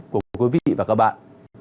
của quý vị và các bạn